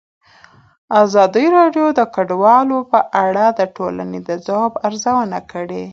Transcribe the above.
ازادي راډیو د کډوال په اړه د ټولنې د ځواب ارزونه کړې.